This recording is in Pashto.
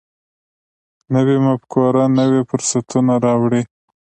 نوې مفکوره نوي فرصتونه راوړي